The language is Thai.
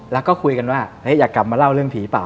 แล้วก็คุยกันว่าอยากกลับมาเล่าเรื่องผีเปล